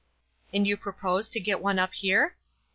"And you propose to get one up here?"